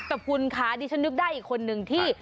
แต่คุณคะดิฉันนึกได้อีกคนนึงที่